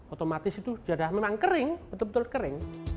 otomatis itu sudah memang kering betul betul kering